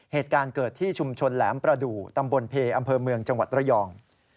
เหตุการณ์เกิดที่ชุมชนแหลมประดูกตำบลเพอำเภอเมืองจังหวัดระยอง